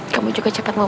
kamu juga cepat move on ya